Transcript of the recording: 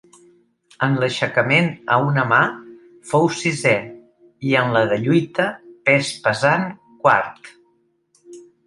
En l'aixecament a una mà fou sisè i en la de lluita, pes pesant quart.